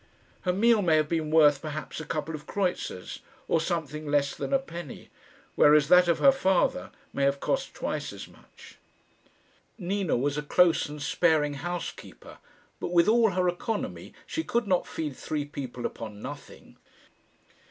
Her meal may have been worth perhaps a couple of kreutzers, or something less than a penny, whereas that of her father may have cost twice as much. Nina was a close and sparing housekeeper, but with all her economy she could not feed three people upon nothing.